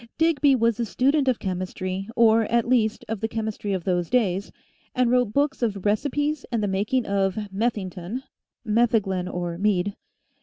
Digby was a student of chemistry, or at least of the chemistry of those days, and wrote books of Recipes and the making of " Methington [metheglin or mead